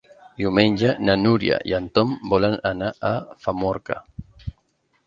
Diumenge na Núria i en Tom volen anar a Famorca.